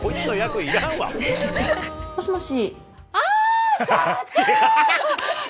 もしもし。